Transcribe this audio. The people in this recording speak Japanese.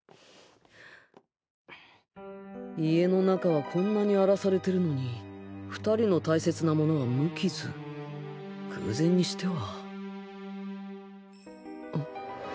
家の中はこんなに荒らされてるのに２人の大切なものは無傷偶然にしては